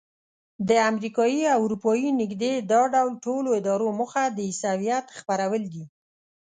د امریکایي او اروپایي نږدې دا ډول ټولو ادارو موخه د عیسویت خپرول دي.